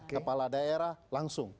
kepala daerah langsung